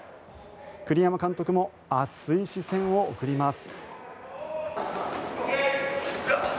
栗山監督も熱い視線を送ります。